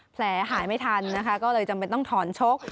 หายไม่ทันนะคะก็เลยจำเป็นต้องถอนชก